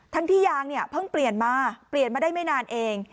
ที่ยางเนี่ยเพิ่งเปลี่ยนมาเปลี่ยนมาได้ไม่นานเอง